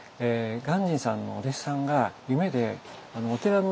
鑑真さんのお弟子さんが夢でお寺のですね